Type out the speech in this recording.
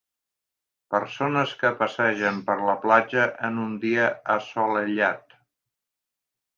Persones que passegen per la platja en un dia assolellat